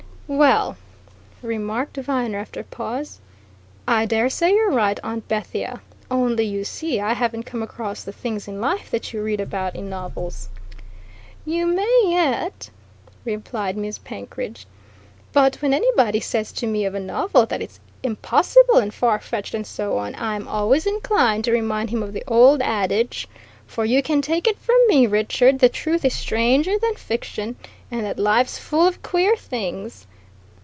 "Well!" remarked Viner after a pause, "I dare say you're right, Aunt Bethia. Only, you see, I haven't come across the things in life that you read about in novels." "You may yet," replied Miss Penkridge. "But when anybody says to me of a novel that it's impossible and far fetched and so on, I'm always inclined to remind him of the old adage. For you can take it from me, Richard, that truth is stranger than fiction, and that life's full of queer things.